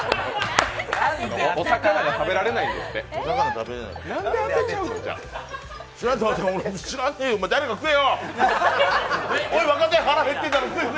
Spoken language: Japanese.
お魚が食べられないんですね。